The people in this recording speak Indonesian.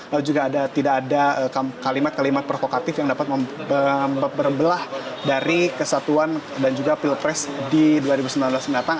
lalu juga tidak ada kalimat kalimat provokatif yang dapat berbelah dari kesatuan dan juga pilpres di dua ribu sembilan belas mendatang